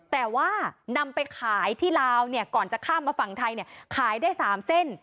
แต่ว่านำไปขายที่ลาวก่อนจะข้ามมาฝั่งไทยขายได้๓เส้น